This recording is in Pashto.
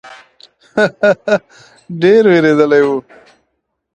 ها، ها، ها، ډېر وېرېدلی و.